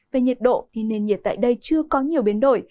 về nhiệt độ thì nền nhiệt tại đây chưa có nhiều biến đổi